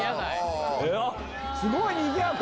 すごいにぎやか。